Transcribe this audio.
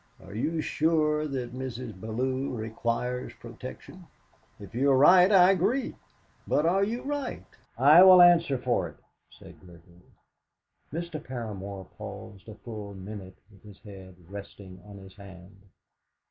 "Are you sure that Mrs. Bellew requires protection? If you are right, I agree; but are you right?" "I will answer for it," said Gregory. Mr. Paramor paused a full minute with his head resting on his hand.